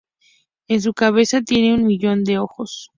En su cabeza tiene un millón de ojos.